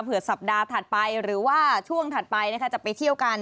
สัปดาห์ถัดไปหรือว่าช่วงถัดไปนะคะจะไปเที่ยวกัน